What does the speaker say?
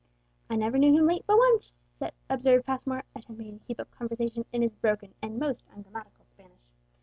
"I never knew him late but once," observed Passmore, attempting to keep up conversation in his broken and most ungrammatical Spanish.